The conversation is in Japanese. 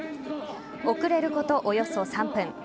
遅れることおよそ３分。